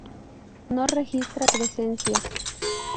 No registra presencias